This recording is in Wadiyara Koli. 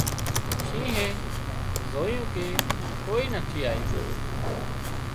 شِينهئي زويُون ڪي ڪوئي نٿي آيون